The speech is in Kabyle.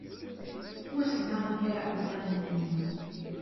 Lliɣ ssneɣ amek ara ḥuddeɣ iman-inu.